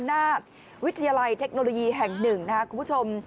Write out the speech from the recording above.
หน้าวิทยาลัยเทคโนโลยีแห่งหนึ่งนะครับคุณผู้ชม